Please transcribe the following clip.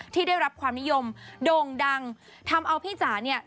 ที่ได้รับความนิยมโด่งดังทำเอาพี่จ๋าเนี่ย